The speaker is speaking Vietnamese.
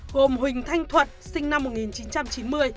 gồm huỳnh thanh thuận sinh năm một nghìn chín trăm chín mươi